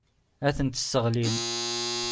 Ad tent-sseɣlin.